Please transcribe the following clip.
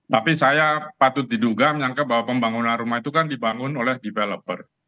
tapi saya patut diduga menyangka bahwa pembangunan rumah itu kan dibangun oleh developer